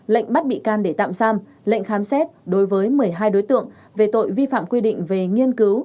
lệnh bắt bị can để tạm giam lệnh khám xét đối với một mươi hai đối tượng về tội vi phạm quy định về nghiên cứu